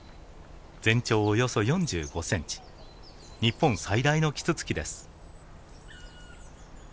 全長およそ４５センチ日本最大のキツツキです。